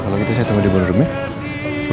kalau gitu saya tunggu di bawah rumah